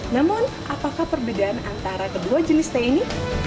namun apakah perbedaan antara kedua jenis teh ini